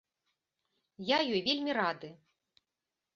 Я ёй вельмі рады.